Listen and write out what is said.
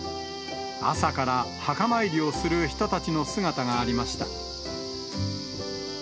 朝から墓参りをする人たちの姿がありました。